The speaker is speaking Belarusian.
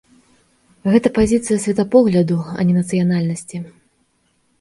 Гэта пазіцыя светапогляду, а не нацыянальнасці.